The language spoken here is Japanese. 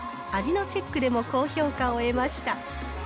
味のチェックでも高評価を得ました。